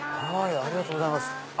ありがとうございます。